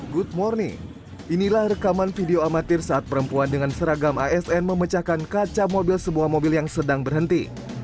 good morning inilah rekaman video amatir saat perempuan dengan seragam asn memecahkan kaca mobil sebuah mobil yang sedang berhenti